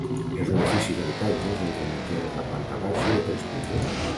És un edifici d'habitatges entre mitgeres de planta baixa i tres pisos.